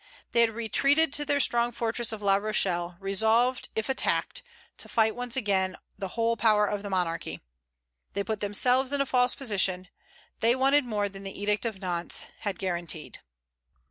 They had retreated to their strong fortress of La Rochelle, resolved, if attacked, to fight once again the whole power of the monarchy. They put themselves in a false position; they wanted more than the Edict of Nantes had guaranteed.